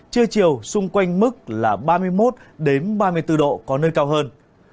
trưa chiều xung quanh mức là ba mươi một ba mươi bốn độ có nơi cao hơn